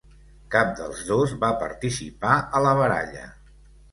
Cap dels dos va participar a la baralla.